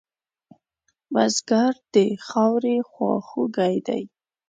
بزګر د خاورې خواخوږی دی